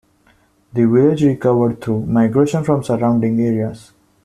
The village recovered through migration from surrounding areas.